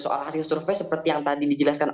soal hasil survei seperti yang tadi dijelaskan